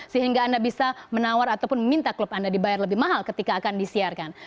sehingga anda bisa menawar ataupun meminta klub anda dibayar lebih mahal ketika akan disiarkan